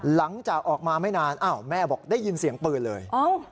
หลังจากออกมาไม่นานอ้าวแม่บอกได้ยินเสียงปืนเลย